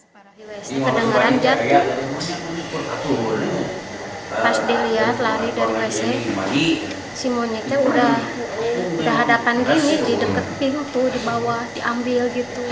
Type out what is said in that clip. kedengaran jatuh pas dilihat lari dari wc si monyetnya udah hadapan gini di deket pintu di bawah diambil gitu